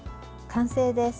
完成です。